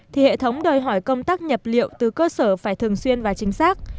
thì hệ thống đòi hỏi công tác nhập liệu từ cơ sở phải thường xuyên và chính xác